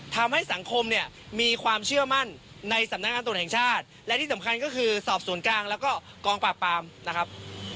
ทำให้สังคมเนี่ยมีความเชื่อมั่นในสำนักงานตรวจแห่งชาติและที่สำคัญก็คือสอบสวนกลางแล้วก็กองปราบปรามนะครับ